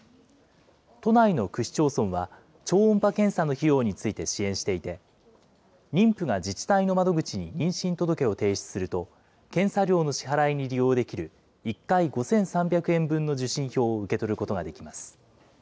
都内の区市町村は、超音波検査の費用について支援していて、妊婦が自治体の窓口に妊娠届を提出すると、検査料の支払いに利用できる１回５３００円分の受診票を受け取ることができます。